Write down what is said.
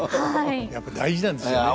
やっぱり大事なんですよね。